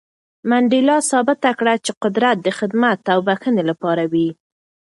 منډېلا ثابته کړه چې قدرت د خدمت او بښنې لپاره وي.